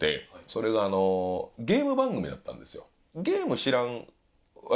それがゲーム番組やったんですよ。